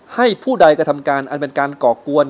ผู้ใดกระทำการอันเป็นการก่อกวน